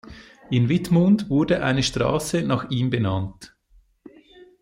In Wittmund wurde eine Straße nach ihm benannt.